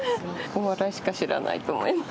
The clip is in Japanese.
大洗しか知らないと思います。